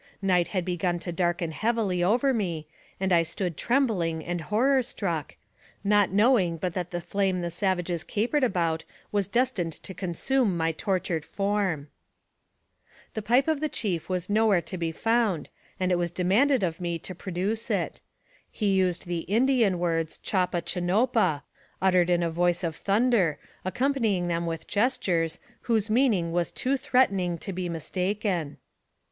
Night had begun to darken heavily over me, and I stood trembling and horror struck, not knowing but that the flame the savages capered about was destined to consume my tortured form. The pipe of the chief was nowhere to be found, and AMONG THE SIOUX INDIANS. 57 it was demanded of me to produce it. He used the Indian words, " Chopa chanopa," uttered in a voice of thunder, accompanying them with gestures, whose meaning was too threatening to be mistaken.